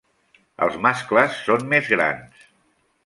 Els mascles són més grans.